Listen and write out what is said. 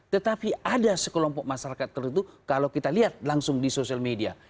tetapi ada sekelompok masyarakat tertentu kalau kita lihat langsung di sosial media